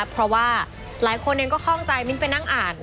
เพราะว่าหลายคนเองก็คล่องใจมิ้นไปนั่งอ่าน